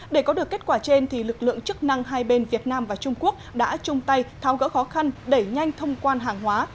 để có được kết quả trên lực lượng chức năng hai bên việt nam và trung quốc đã chung tay tháo gỡ khó khăn đẩy nhanh thông quan hàng hóa